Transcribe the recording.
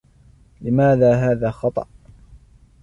لماذا هذا خطأ؟